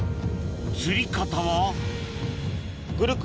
釣り方は？